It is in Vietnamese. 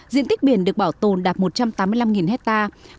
diện tích biển được bảo tồn đạt một trăm tám mươi năm hectare